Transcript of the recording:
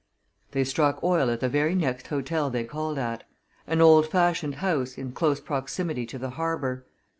They struck oil at the very next hotel they called at an old fashioned house in close proximity to the harbour.